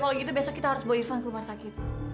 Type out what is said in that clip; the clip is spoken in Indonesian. kalau gitu besok kita harus bawa event ke rumah sakit